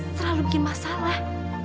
selalu bikin masalah